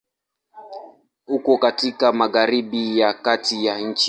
Uko katika Magharibi ya Kati ya nchi.